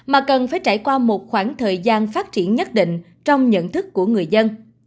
mà cần phải trải qua một khoảng thời gian phát triển nhất định trong nhận thức của người dân